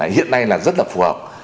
hiện nay là rất là phù hợp